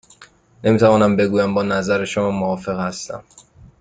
نمی توانم بگویم با نظر شما موافق هستم.